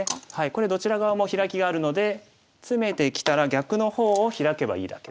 これどちら側もヒラキがあるのでツメてきたら逆の方をヒラけばいいだけですね。